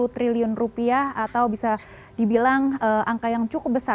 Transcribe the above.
satu ratus sembilan puluh triliun rupiah atau bisa dibilang angka yang cukup besar